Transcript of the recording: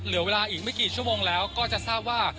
เหลือเวลาอีกไม่กี่ชั่วโมงแล้วก็จะทราบว่า